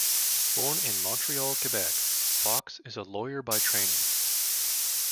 Born in Montreal, Quebec, Fox is a lawyer by training.